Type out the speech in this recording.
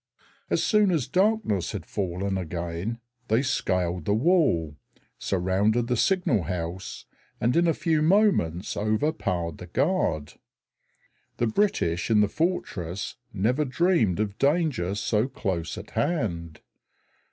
As soon as darkness had fallen again they scaled the wall, surrounded the signal house, and in a few moments overpowered the guard. The British in the fortress never dreamed of danger so close at hand.